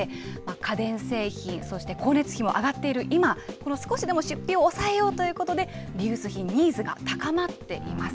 家電製品、そして光熱費も上がっている今、この少しでも出費を抑えようということで、リユース品、ニーズが高まっています。